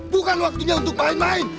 bukan waktunya untuk main main